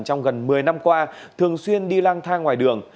trong gần một mươi năm qua thường xuyên đi lang thang ngoài đường